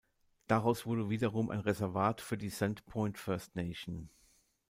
Daraus wurde wiederum ein Reservat für die Sand Point First Nation.